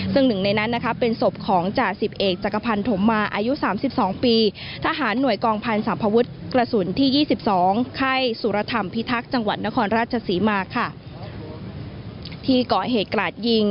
ซึ่งหนึ่งในนั้นนะคะเป็นศพของจ่าสิบเอกจักรพันธมมาอายุ๓๒ปี